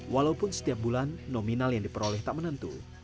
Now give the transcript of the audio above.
walaupun setiap bulan nominal yang diperoleh tak menentu